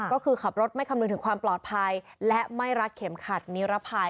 ก็คือขับรถไม่คำนึงถึงความปลอดภัยและไม่รัดเข็มขัดนิรภัย